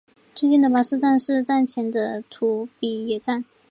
最近的巴士站是站前的土笔野站。